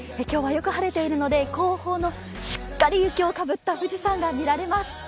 今日はよく晴れているので後方のしっかり雪をかぶった富士山が見られます。